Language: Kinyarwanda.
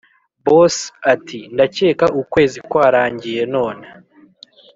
boss ati”ndakeka ukwezi kwarangiye none